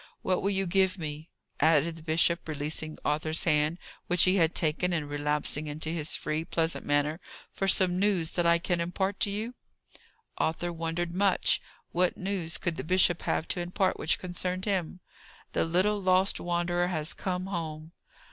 What will you give me," added the bishop, releasing Arthur's hand, which he had taken, and relapsing into his free, pleasant manner, "for some news that I can impart to you?" Arthur wondered much. What news could the bishop have to impart which concerned him? "The little lost wanderer has come home."